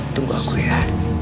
tunggu aku ya